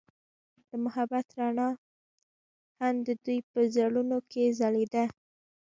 د محبت رڼا هم د دوی په زړونو کې ځلېده.